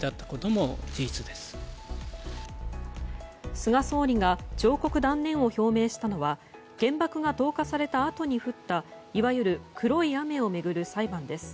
菅総理が上告断念を表明したのは原爆が投下されたあとに降ったいわゆる黒い雨を巡る裁判です。